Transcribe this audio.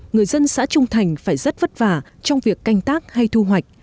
người dân xã trung thành phải rất vất vả trong việc canh tác hay thu hoạch